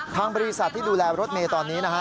ทางบริษัทที่ดูแลรถเมย์ตอนนี้นะฮะ